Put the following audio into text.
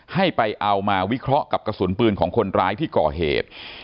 ให้ไปเอามาวิเคราะห์กับกระสุนปืนของคนร้ายที่ก่อเหตุ